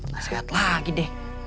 nasihat lagi deh